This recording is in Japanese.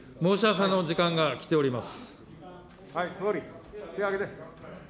申し合わせの時間が過ぎております。